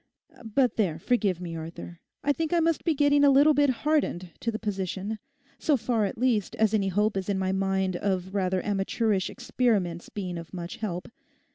But there, forgive me, Arthur; I think I must be getting a little bit hardened to the position, so far at least as any hope is in my mind of rather amateurish experiments being of much help.